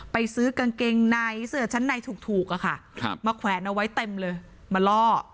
ไปซื้อกางเกงในเสื้อชั้นในถูกอะค่ะมาแขวนเอาไว้เต็มเลยมาล่อ